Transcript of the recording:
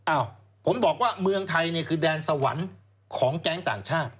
อ้าวผมบอกว่าเมืองไทยเนี่ยคือแดนสวรรค์ของแก๊งต่างชาติ